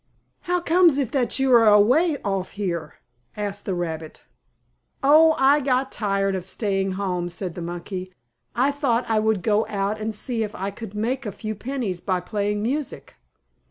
"How comes it that you are away off here," asked the rabbit. "Oh! I got tired of staying home," said the monkey. "I thought I would go out and see if I could make a few pennies by playing music."